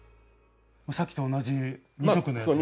さっきと同じ２色のやつですね。